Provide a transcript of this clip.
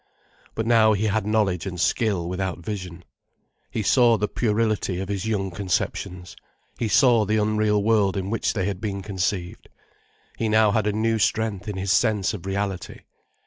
But now he had knowledge and skill without vision. He saw the puerility of his young conceptions, he saw the unreal world in which they had been conceived. He now had a new strength in his sense of reality.